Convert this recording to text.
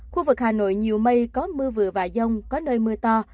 khu vực hà nội nhiều mây có mưa vừa và dông có nơi mưa to